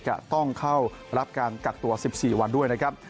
จะต้องเข้ารับการกักตัว๑๔วันด้วยนะครับ